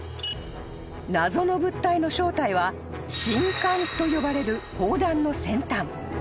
［謎の物体の正体は信管と呼ばれる砲弾の先端］